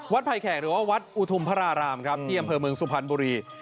ไผ่แขกหรือว่าวัดอุทุมพระรารามครับที่อำเภอเมืองสุพรรณบุรี